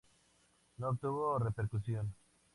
No obtuvo repercusión.